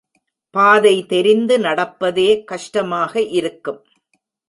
பாதை தெரிந்து நடப்பதே கஷ்டமாக இருக்கும்.